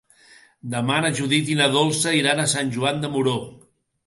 Demà na Judit i na Dolça iran a Sant Joan de Moró.